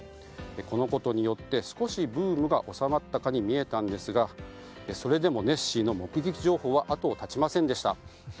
このことによって少しブームが収まったかに見えたんですがそれでもネッシーの目撃情報は後を絶ちませんでした。